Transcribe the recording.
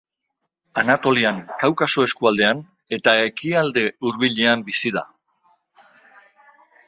Anatolian, Kaukaso eskualdean eta Ekialde Hurbilean bizi da.